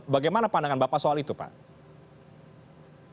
bagaimana pandangan bapak soal itu pak